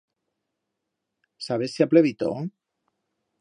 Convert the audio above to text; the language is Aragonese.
Sabes si ha plevito?